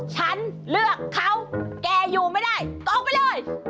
ฉันเลือกเขาแกอยู่ไม่ได้ก็ออกไปเลย